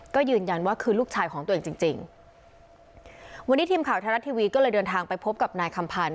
ก็ยืนยันว่าคือลูกชายของตัวเองจริงจริงวันนี้ทีมข่าวไทยรัฐทีวีก็เลยเดินทางไปพบกับนายคำพันธ์